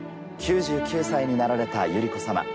９９歳になられた百合子さま。